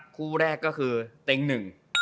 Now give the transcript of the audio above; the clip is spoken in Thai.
คู่แรกก็คือเต็งหนึ่ง